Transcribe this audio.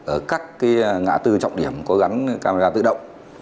ở các ngã tư trọng điểm có gắn camera tự động